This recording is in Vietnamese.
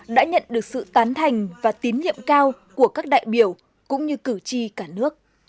đã nhận được sự tán thành và tín nhiệm cao của các đại biểu cũng như cử tri cả nước